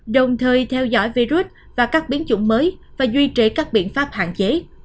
đồng thời theo dõi virus và các biến chủng mới và duy trì các biện pháp hạn chế